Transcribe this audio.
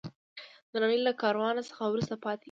د نړۍ له کاروان څخه وروسته پاتې یو.